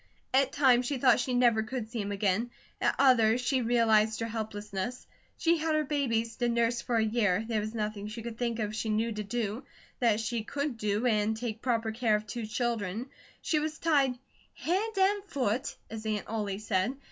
At times she thought she never could see him again; at others, she realized her helplessness. She had her babies to nurse for a year; there was nothing she could think of she knew to do, that she could do, and take proper care of two children. She was tied "hand and foot," as Aunt Ollie said.